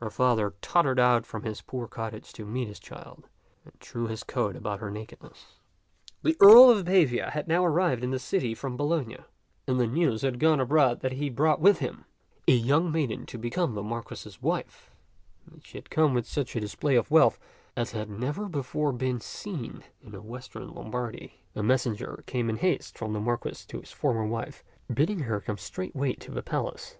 Her father tottered out from his poor cottage to meet his child, and threw his coat about her nakedness. t^t Ckxk'0 t(xtt 155 The Earl of Pavia had now arrived in the city from Bologna, and the news had gone abroad that he had brought with him a young maiden to become the Marquis's wife, and that she had come with such display of wealth as had never before been seen in Western Lombardy. A messenger came in haste from the Marquis to his former wife, bidding her come straightway to the palace.